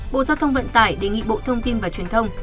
bộ giao thông vận tải đề nghị bộ thông tin và truyền thông